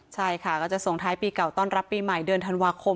ใช่ค่ะก็จะส่งท้ายปีเก่าต้อนรับปีใหม่เดือนธันวาคม